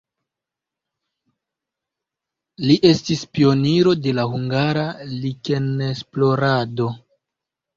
Li estis pioniro de la hungara likenesplorado.